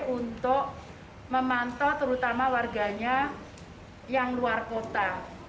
untuk memantau terutama warganya yang luar kota